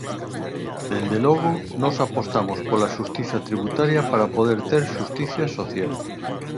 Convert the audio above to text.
Dende logo, nós apostamos pola xustiza tributaria para poder ter xustiza social.